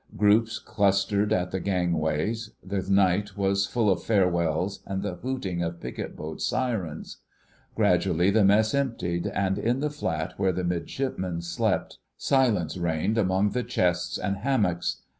Groups clustered at the gangways; the night was full of farewells and the hooting of picket boats' syrens. Gradually the Mess emptied, and in the flat where the midshipmen slept silence reigned among the chests and hammocks.